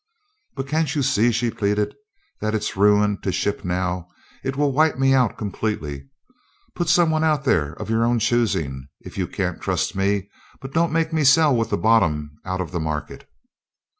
"But can't you see," she pleaded, "that it's ruin to ship now? It will wipe me out completely. Put some one out there of your own choosing, if you can't trust me, but don't make me sell with the bottom out of the market!"